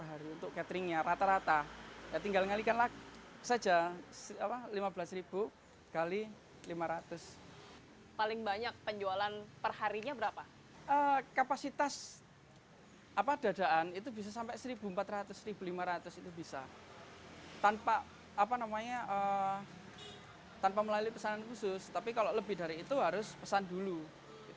harus coba kesini